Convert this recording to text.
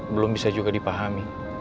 belum bisa juga dipahami